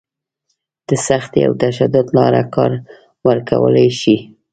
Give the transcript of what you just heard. د سختي او تشدد لاره کار ورکولی شي.